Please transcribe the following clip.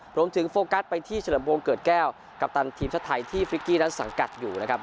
โฟกัสไปที่เฉลิมพงศ์เกิดแก้วกัปตันทีมชาติไทยที่ฟริกกี้นั้นสังกัดอยู่นะครับ